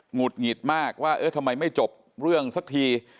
ุดหงิดมากว่าเออทำไมไม่จบเรื่องสักที